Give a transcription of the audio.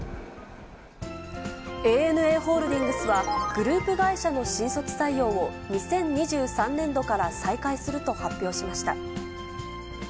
ＡＮＡホールディングスは、グループ会社の新卒採用を、２０２３年度から再開すると発表しました。